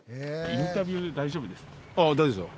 インタビュー大丈夫ですか？